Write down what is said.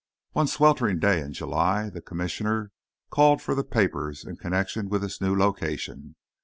One sweltering day in July the Commissioner called for the papers in connection with this new location.